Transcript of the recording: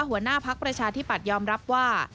หัวหน้าพักประชาธิปัตยอมรับว่า